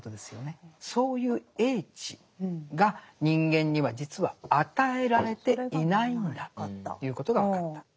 そういう叡智が人間には実は与えられていないんだっていうことが分かった。